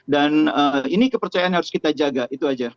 dan ini kepercayaan yang harus kita jaga itu aja